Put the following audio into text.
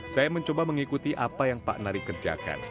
saya mencoba mengikuti apa yang pak nari kerjakan